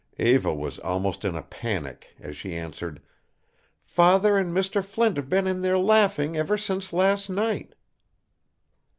Eva was almost in a panic as she answered, "Father and Mr. Flint have been in there laughing ever since last night."